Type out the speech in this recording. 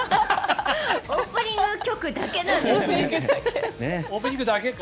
オープニング曲だけなんですか。